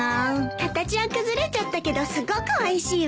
形は崩れちゃったけどすごくおいしいわ。